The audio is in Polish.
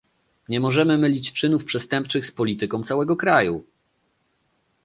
Nie możemy mylić czynów przestępczych z polityką całego kraju!